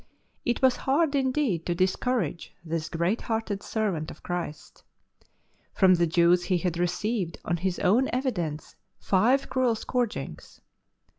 It w'as hard indeed to dis courage this gi'eat hearted servant of Christ. From the Jews he had received on his own evidence five cruel scourgings.